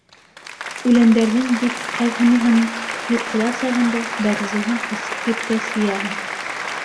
Үләндәрҙең бит ҡайһыныһын йоҡола сағында, бәғзеһен ысыҡ кипкәс йыяһың.